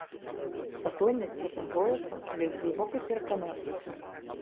Спакойна, ціхім голасам, але з глыбокай перакананасцю.